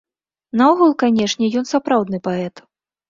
Наогул, канечне, ён сапраўдны паэт.